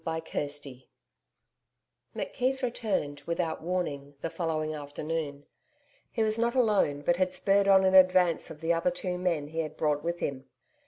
CHAPTER 13 McKeith returned, without warning, the following afternoon. He was not alone, but had spurred on in advance of the other two men he had brought with him.